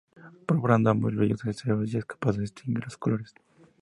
Comparando ambos brillos el cerebro ya es capaz de distinguir los colores.